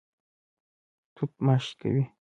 توت ماشې کوي.